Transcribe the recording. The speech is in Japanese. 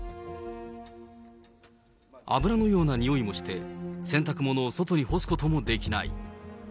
油のような臭いもして、洗濯物を外に干すこともできない。